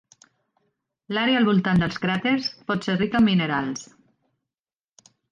L'àrea al voltant dels cràters pot ser rica en minerals.